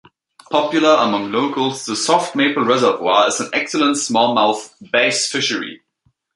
Popular among locals, the Soft Maple Reservoir is an excellent Smallmouth Bass fishery.